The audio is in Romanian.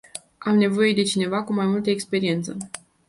Avem nevoie de cineva cu mai multă experiență.